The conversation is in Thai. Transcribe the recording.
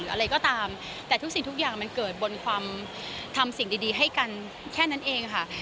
อะไรก็ตามแต่ทุกสิ่งทุกอย่างมันเกิดบนความทำสิ่งดีให้กันแค่นั้นเองค่ะ